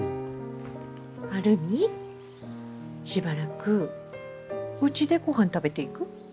晴海しばらくうちでごはん食べていく？